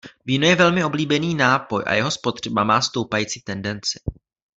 Víno je velmi oblíbený nápoj a jeho spotřeba má stoupající tendenci.